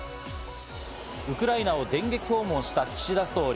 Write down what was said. ウクライナを電撃訪問した岸田総理。